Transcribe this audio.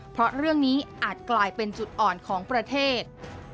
เพราะเรื่องนี้อาจกลายเป็นจุดอ่อนของประเทศ